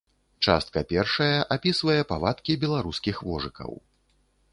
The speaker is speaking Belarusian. Частка першая апісвае павадкі беларускіх вожыкаў.